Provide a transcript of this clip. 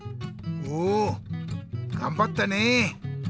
おがんばったねえ。